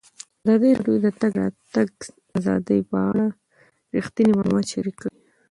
ازادي راډیو د د تګ راتګ ازادي په اړه رښتیني معلومات شریک کړي.